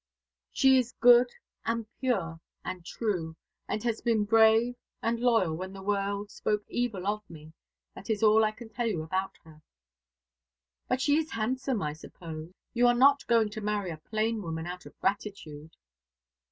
"She is good, and pure, and true, and has been brave and loyal when the world spoke evil of me! That is all I can tell you about her." "But she is handsome, I suppose? You are not going to marry a plain woman, out of gratitude!"